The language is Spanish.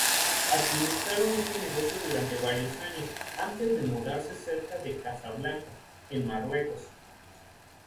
Administraron este negocio durante varios años, antes de mudarse cerca de Casablanca, en Marruecos.